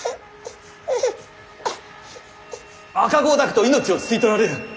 赤子を抱くと命を吸い取られる。